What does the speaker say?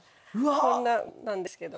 こんななんですけど。